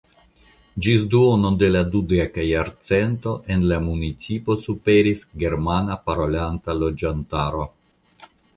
Ĝis duono de la dudeka jarcento en la municipo superis germane parolanta loĝantaro.